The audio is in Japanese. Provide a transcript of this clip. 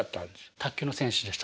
卓球の選手でした。